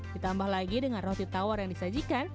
ditambah lagi dengan roti tawar yang disajikan